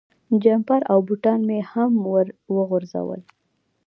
جمپر او بوټان مې هم ور وغورځول.